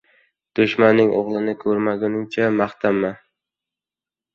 • Dushmanning o‘ligini ko‘rmaguningcha maqtanma.